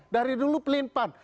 dari dulu pelimpan